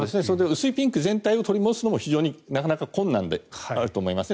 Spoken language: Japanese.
薄いピンク全体を取り戻すのも非常に困難であると思いますね。